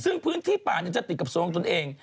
ซึ่งพื้นที่ป่านี้จะติดกับส่วนของของตนเอง